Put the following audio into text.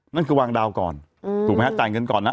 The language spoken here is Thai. นั่นคือวางดาวก่อนถูกไหมฮะจ่ายเงินก่อนนะ